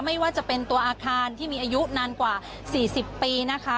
ไม่ว่าจะเป็นตัวอาคารที่มีอายุนานกว่า๔๐ปีนะคะ